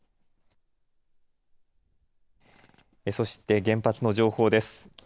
そして原発の情報です。